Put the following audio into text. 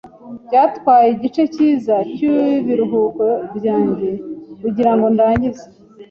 Byatwaye igice cyiza cyibiruhuko byanjye kugirango ndangize.